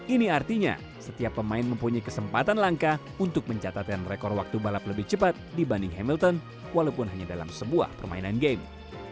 ini artinya setiap pemain mempunyai kesempatan langka untuk mencatatkan rekor waktu balap lebih cepat dibanding hamilton walaupun hanya dalam sebuah permainan game